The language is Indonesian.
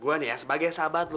gue nih ya sebagai sahabat